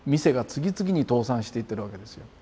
次々に倒産していってるわけですよ。